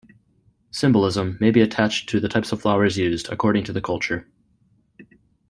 Symbolism may be attached to the types of flowers used, according to the culture.